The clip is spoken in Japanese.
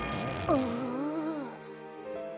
ああ。